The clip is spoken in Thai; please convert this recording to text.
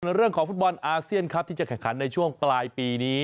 เรื่องของฟุตบอลอาเซียนครับที่จะแข่งขันในช่วงปลายปีนี้